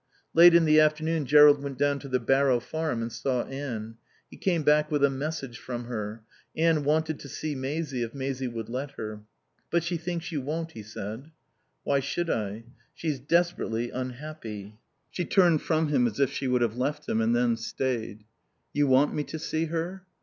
Late in the afternoon Jerrold went down to the Barrow Farm and saw Anne. He came back with a message from her. Anne wanted to see Maisie, if Maisie would let her. "But she thinks you won't," he said. "Why should I?" "She's desperately unhappy." She turned from him as if she would have left him, and then stayed. "You want me to see her?"